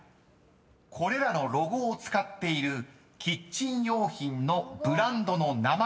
［これらのロゴを使っているキッチン用品のブランドの名前を答えてください］